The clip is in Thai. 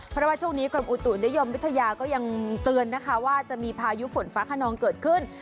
เพราะว่าช่วงนี้กรมอุตุนิยมวิทยาก็ยังเตือนนะคะว่าจะมีพายุฝนฟ้าขนองเกิดขึ้น